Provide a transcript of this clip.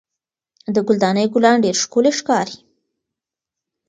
د ګل دانۍ ګلان ډېر ښکلي ښکاري.